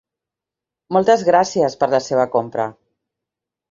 Moltes gràcies per la seva compra.